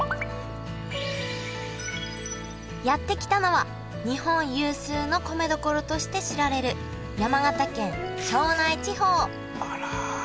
やって来たのは日本有数の米どころとして知られる山形県庄内地方あらきれいだね。